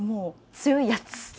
強いやつ。